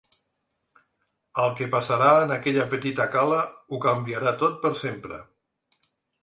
El que passarà en aquella petita cala ho canviarà tot per sempre.